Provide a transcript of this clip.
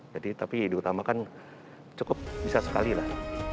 jadi tapi di utama kan cukup bisa sekali lah